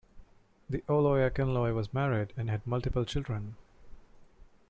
The Oloye Akinloye was married and had multiple children.